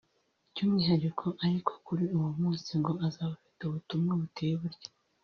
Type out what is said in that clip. By’umwihariko ariko kuri uwo munsi ngo azaba afite ubutumwa buteye butya